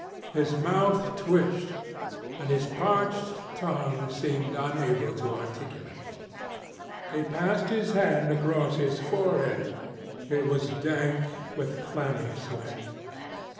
His mouth twitched, and his parched tongue seemed unable to articulate. He passed his hand across his forehead. It was dank with clammy sweat.